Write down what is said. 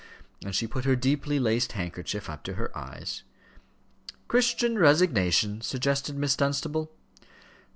And she put her deeply laced handkerchief up to her eyes. "Christian resignation," suggested Miss Dunstable.